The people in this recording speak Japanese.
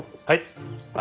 はい。